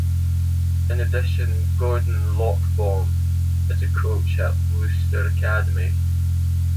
In addition, Gordon Lockbaum is a coach at Worcester Academy.